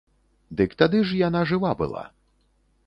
Дык тады ж яна жыва была.